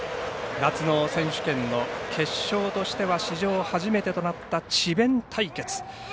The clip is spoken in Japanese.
夏の選手権の決勝としては史上初めてとなった智弁対決。